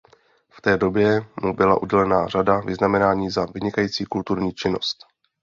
V té době mu byla udělena řada vyznamenání za vynikající kulturní činnost.